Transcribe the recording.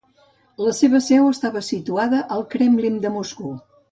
La seva seu estava situada al Kremlin de Moscou.